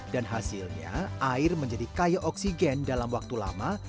dan hasilnya air menjadi kaya oksigen dalam waktu lama